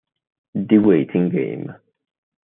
The Waiting Game